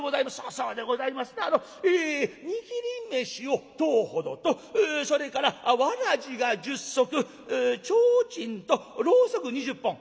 「そうでございますなあの握り飯を１０ほどとそれからわらじが１０足ちょうちんとろうそく２０本」。